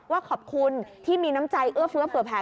ว่าขอบคุณที่มีน้ำใจเอื้อเฟื้อเผื่อแผล